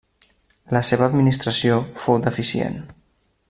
La seva administració fou deficient.